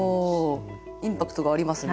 インパクトがありますね。